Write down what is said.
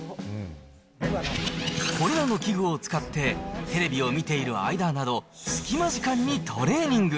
これらの器具を使って、テレビを見ている間など、隙間時間にトレーニング。